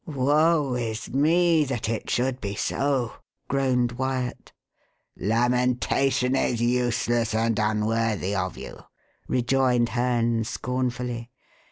"Woe is me that it should be so!" groaned Wyat. "Lamentation is useless and unworthy of you," rejoined Herne scornfully.